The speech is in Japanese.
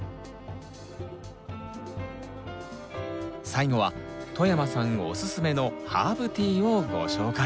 最後は外山さんおすすめのハーブティーをご紹介。